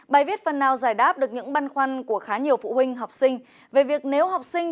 bài viết phần nào giải đáp được những băn khoăn của khá nhiều phụ huynh học sinh về việc nếu học sinh